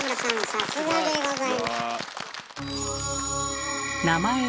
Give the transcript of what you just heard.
さすがでございます。